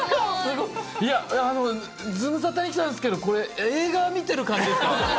いや、ズムサタなんですけど、映画見てる感じですか。